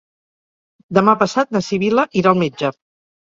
Demà passat na Sibil·la irà al metge.